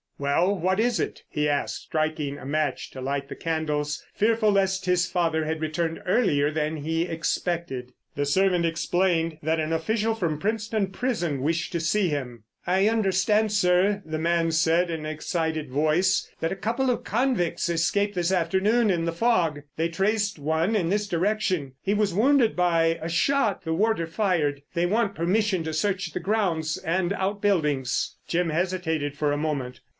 "Well, what is it?" he asked, striking a match to light the candles, fearful lest his father had returned earlier than he expected. The servant explained that an official from Princetown Prison wished to see him. "I understand, sir," the man said in an excited voice, "that a couple of convicts escaped this afternoon in the fog. They traced one in this direction. He was wounded by a shot the warder fired. They want permission to search the grounds and out buildings." Jim hesitated for a moment.